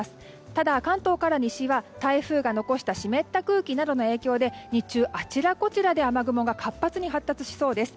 ただ、関東から西は台風が残した湿った空気などの影響で日中、あちらこちらで雨雲が活発に発達しそうです。